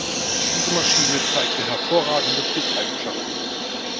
Diese Maschine zeigte hervorragende Flugeigenschaften.